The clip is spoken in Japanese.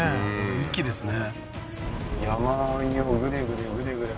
一気ですね